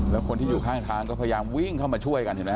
แล้วคนที่อยู่ข้างทางก็พยายามวิ่งเข้ามาช่วยกันเห็นไหม